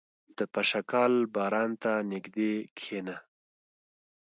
• د پشکال باران ته نږدې کښېنه.